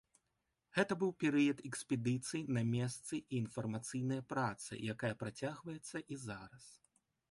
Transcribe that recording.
Гэта быў перыяд экспедыцый на месцы і інфармацыйная праца, якая працягваецца і зараз.